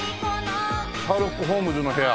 シャーロック・ホームズの部屋。